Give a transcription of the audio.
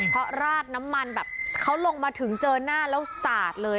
เพราะราดน้ำมันแบบเขาลงมาถึงเจอหน้าแล้วสาดเลย